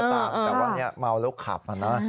แต่ว่าเมาแล้วขับ